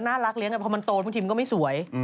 น่ารักเลี้ยงแต่พอมันโตทีมิก็ไม่สวย